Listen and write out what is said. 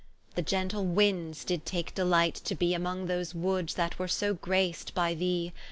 The gentle Windes did take delight to bee Among those woods that were so grac'd by thee.